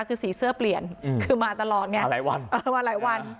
คือสีเสื้อเปลี่ยนคือมาตลอดไงมาหลายวันเออมาหลายวัน